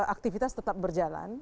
aktivitas tetap berjalan